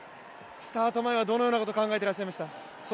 スタート前はどのようなことを考えてらっしゃいました？